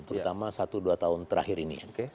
terutama satu dua tahun terakhir ini